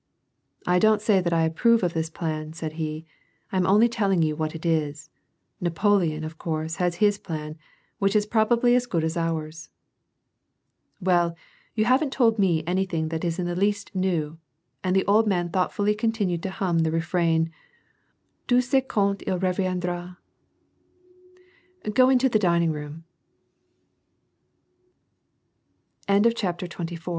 " I don't say that I approve of this plan," said he, " I am only telling you what it is. Napoleon, of course, has his plan, which is probably as good as ours." " Well, you haven't told me anything that is in the least new," and the old man thoughtfully continued to hum the re frain :" Dieu suit quand il reviendraJ^ " Go